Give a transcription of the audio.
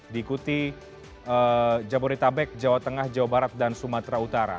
diikuti jabodetabek jawa tengah jawa barat dan sumatera utara